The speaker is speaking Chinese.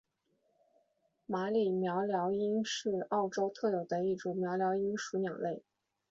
马里鹋鹩莺是澳洲特有的一种鹋鹩莺属鸟类。